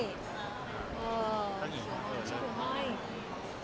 ใช้มีห้อย